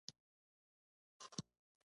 ښوونځی د ماشوم دوهم کور دی